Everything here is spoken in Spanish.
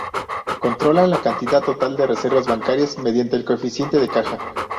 Controlan la cantidad total de reservas bancarias mediante el coeficiente de caja.